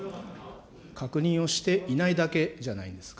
確認をしていないだけじゃないんですか。